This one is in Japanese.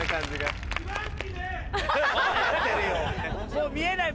もう見えない！